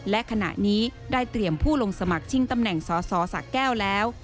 และขณะนี้ได้เตรียมผู้ลงสมัครชิงตำแหน่งสอสอสะแก้วแล้ว